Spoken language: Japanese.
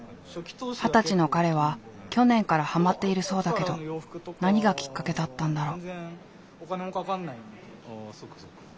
二十歳の彼は去年からハマっているそうだけど何がきっかけだったんだろう？